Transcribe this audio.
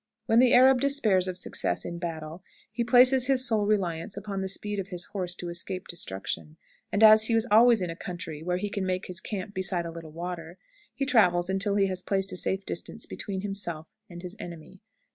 "When the Arab despairs of success in battle, he places his sole reliance upon the speed of his horse to escape destruction; and as he is always in a country where he can make his camp beside a little water, he travels until he has placed a safe distance between himself and his enemy."